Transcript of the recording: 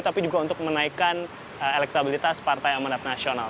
tapi juga untuk menaikkan elektabilitas partai amanat nasional